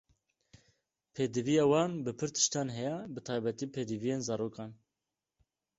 Pêdiviya wan bi pir tiştan heye, bi taybet pêdiviyên zarokan.